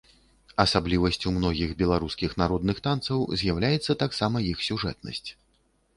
Асаблівасцю многіх беларускіх народных танцаў з'яўляецца таксама іх сюжэтнасць.